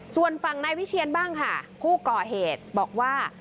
ส่วนฝั่งนายวิเชียนบ้างค่ะผู้ก่อเหตุบอกว่า